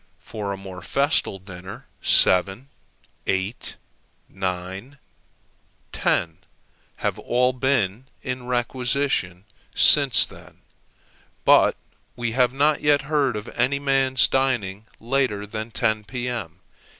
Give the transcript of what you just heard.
For a more festal dinner, seven, eight, nine, ten, have all been in requisition since then; but we have not yet heard of any man's dining later than 10, P.M.